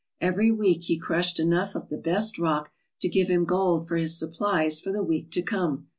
Every week he crushed enough of the best rock to give him gold for his supplies for the week to come.